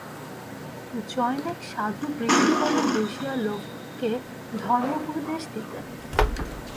জনৈক সাধু বৃক্ষতলে বসিয়া লোককে ধর্মোপদেশ দিতেন।